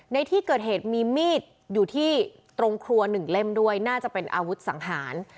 ในที่เกิดเหตุมีมีดอยู่ที่ตรงครัวหนึ่งเล่มด้วยน่าจะเป็นอาวุธสังหาร